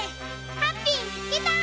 ハッピーみつけた！